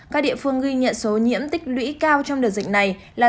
các địa phương ghi nhận số nhiễm tích lũy cao trong đợt dịch này là